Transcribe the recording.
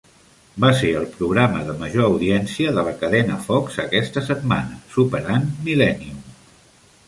Va ser el programa de major audiència de la cadena Fox aquesta setmana, superant 'Millennium'.